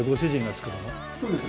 そうです。